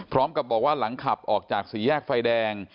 พร้อมกับบอกว่าหลังขับออกจากสี่แยกไฟแดง